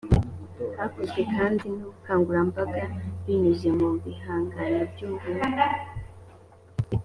hakozwe kandi n ubukangurambaga binyuze mu bihangano by ubumwe